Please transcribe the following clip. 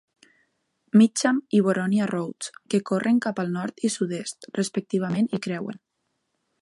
Mitcham i Boronia Roads, que corren cap al nord i sud-est, respectivament, hi creuen.